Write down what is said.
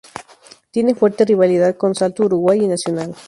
Tiene fuerte rivalidad con Salto Uruguay y Nacional.